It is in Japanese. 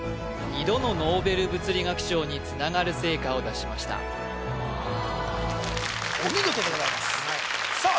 ２度のノーベル物理学賞につながる成果を出しましたお見事でございますさあ